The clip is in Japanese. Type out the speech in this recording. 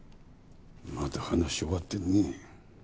まだ話終わってねぇよ。